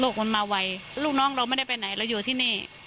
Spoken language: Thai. มันมาไวลูกน้องเราไม่ได้ไปไหนเราอยู่ที่นี่